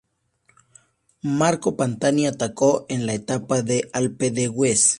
Marco Pantani atacó en la etapa de Alpe d'Huez.